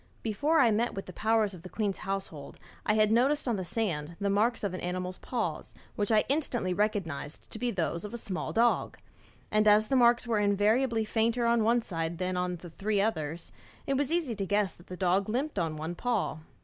Before I met with the officers of the queen's household I had noticed on the sand the marks of an animal's paws, which I instantly recognised to be those of a small dog; and as the marks were invariably fainter on one side than on the three others, it was easy to guess that the dog limped on one paw.